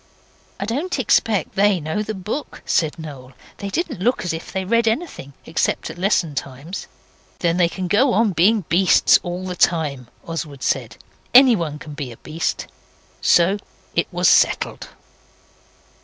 'I don't suppose they know the book,' said Noel. 'They don't look as if they read anything, except at lesson times.' 'Then they can go on being beasts all the time,' Oswald said. 'Anyone can be a beast.' So it was settled.